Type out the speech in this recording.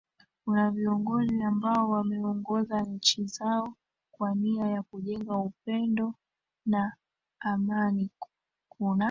Kuna viongozi ambao wameongoza nchi zao kwa nia ya kujenga upendo na amanikuna